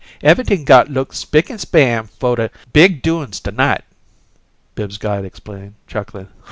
"Ev'ything got look spick an' span fo' the big doin's to night," Bibbs's guide explained, chuckling.